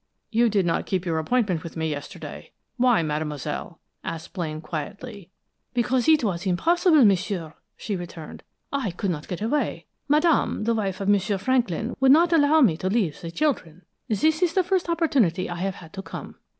"You did not keep your appointment with me yesterday why, mademoiselle?" asked Blaine, quietly. "Because it was impossible, m'sieu," she returned. "I could not get away. Madame the wife of M'sieu Franklin would not allow me to leave the children. This is the first opportunity I have had to come."